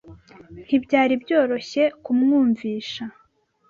Ntibyari byoroshye kumwumvisha.